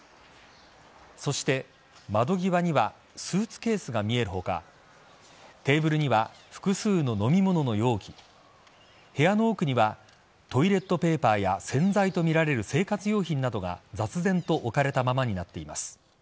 そして、窓際にはスーツケースが見える他テーブルには複数の飲み物の容器部屋の奥にはトイレットペーパーや洗剤とみられる生活用品などが雑然と置かれたままになっています。